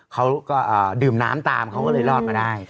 เขาก็ดื่มน้ำตามเขาก็เลยรอดมาได้